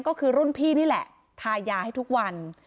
ก็คือรุ่นพี่นี่แหละทายาให้ทุกวัน